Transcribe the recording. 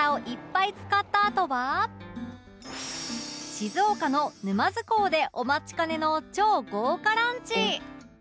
静岡の沼津港でお待ちかねの超豪華ランチ